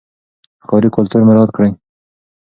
ښاري کلتور مراعات کړئ.